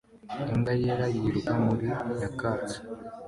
Imbwa yera yiruka muri nyakatsi